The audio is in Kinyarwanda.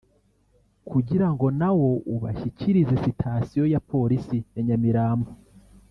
kugira ngo na wo ubashyikirize sitasiyo ya Polisi ya Nyamirambo